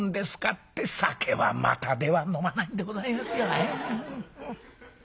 って酒は股では飲まないんでございますよ」。